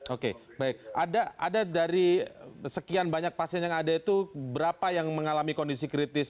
oke baik ada dari sekian banyak pasien yang ada itu berapa yang mengalami kondisi kritis